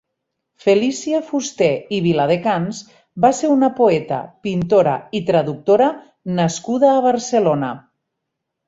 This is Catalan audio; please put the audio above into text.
Felícia Fuster i Viladecans va ser una poeta, pintora i traductora nascuda a Barcelona.